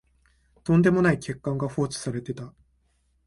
とんでもない欠陥が放置されてた